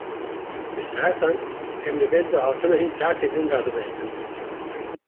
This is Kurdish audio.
Bi saetan em li benda hatina hin saetên din radiwestin.